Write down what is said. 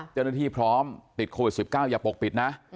เจ้าหน้าที่พร้อมติดโควิด๑๙อย่าปกปิดนะ